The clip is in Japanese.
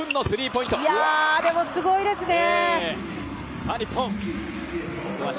いや、でもすごいですね。